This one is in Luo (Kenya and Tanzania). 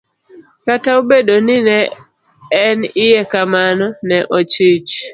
Kataobedo ni ne en iye kamano, ne ochich.